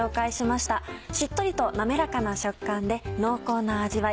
しっとりと滑らかな食感で濃厚な味わい。